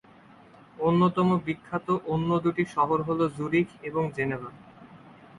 অন্যতম বিখ্যাত অন্য দুটি শহর হলো জুরিখ এবং জেনেভা।